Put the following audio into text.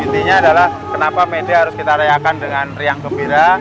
intinya adalah kenapa may day harus kita rayakan dengan riang gembira